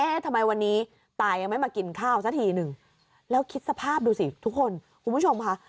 ทำไมวันนี้ตายังไม่มากินข้าวซะทีหนึ่งแล้วคิดสภาพดูสิทุกคนคุณผู้ชมค่ะ